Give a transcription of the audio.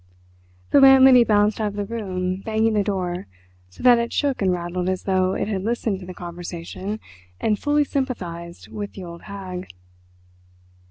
The landlady bounced out of the room, banging the door, so that it shook and rattled as though it had listened to the conversation and fully sympathised with the old hag.